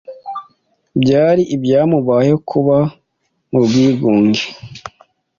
Byari ibyamubayeho kubaho mu bwigunge.